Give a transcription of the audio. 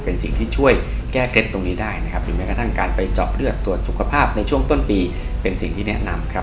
เป็นสิ่งที่ช่วยแก้เคล็ดตรงนี้ได้นะครับหรือแม้กระทั่งการไปเจาะเลือดตรวจสุขภาพในช่วงต้นปีเป็นสิ่งที่แนะนำครับ